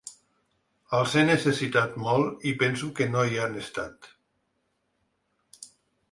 Els he necessitat molt i penso que no hi han estat.